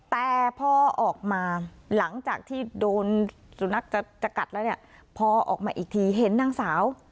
แต่พอออกมาหลังจากที่โดนสุนัขจะกัดแล้วเนี่ยพอออกมาอีกทีเห็นนางสาว